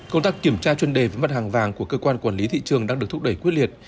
công tác kiểm tra chuyên đề với mặt hàng vàng của cơ quan quản lý thị trường đang được thúc đẩy quyết liệt